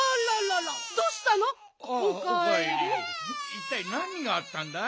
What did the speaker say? いったいなにがあったんだい？